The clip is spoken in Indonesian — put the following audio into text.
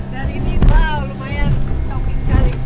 dan ini wow lumayan comel sekali